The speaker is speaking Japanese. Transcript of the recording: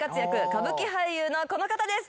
歌舞伎俳優のこの方です。